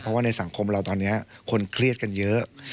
เพราะว่าในสังคมเราตอนนี้คนเครียดกันเยอะ